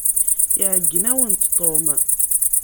Iɛeyyen-awent Tom.